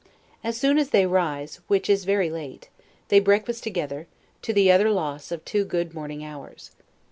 As soon as they rise, which is very late, they breakfast together, to the utter loss of two good morning hours.